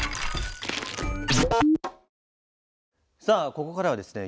さあここからはですね